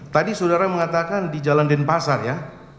tadi sudara mengatakan di jalan den pasar ya